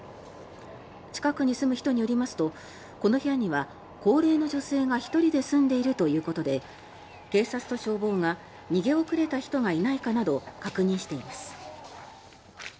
近くに住む人によりますとこの部屋には高齢の女性が１人で住んでいるということで警察と消防が逃げ遅れた人がいないかなど確認しています。